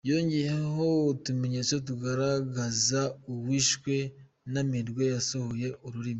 Yongeyeho utumenyetso tugaragaza uwishwe n’amerwe yasohoye ururimi.